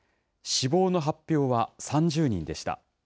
死亡の発表は３０人でした。